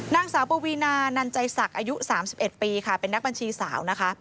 นางสาวปวีนานันใจศักดิ์อายุ๓๑ปีค่ะเป็นนักบัญชีสาวนะคะ